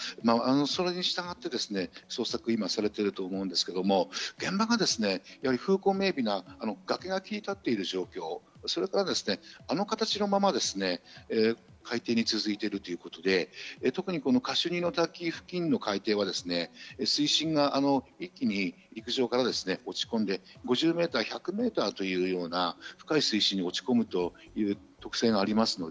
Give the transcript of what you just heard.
それに従って捜索、今されていると思うんですけれども、現場が風光明媚な崖に立っている状況、それからあの形のまま海底に続いているということで、特にカシュニの滝付近の海底は水深が一気に陸上から落ち込んで５０メートル、１００メートルというような深い水深に落ち込むという特性があります。